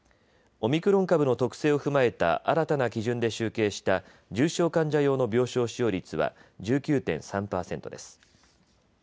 オミクロン株の特性を踏まえた新たな基準で集計した重症患者用の病床使用率は、１９．３％です。